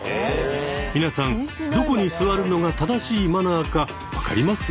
皆さんどこに座るのが正しいマナーか分かります？